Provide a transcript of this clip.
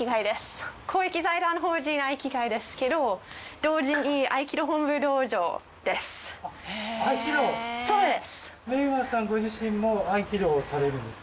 公益財団法人合気会ですけど同時に合気道本部道場です。